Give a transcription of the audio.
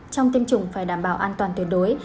trong tiêm chủng phải đảm bảo an toàn tuyệt đối